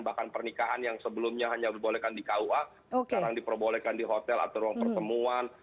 bahkan pernikahan yang sebelumnya hanya diperbolehkan di kua sekarang diperbolehkan di hotel atau ruang pertemuan